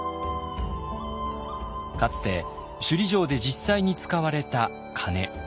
かつて首里城で実際に使われた鐘。